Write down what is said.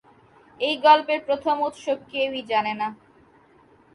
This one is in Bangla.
এই গল্পের প্রথম উৎস কেউই জানে না।